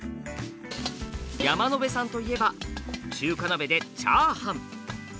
山野辺さんといえば中華鍋でチャーハン。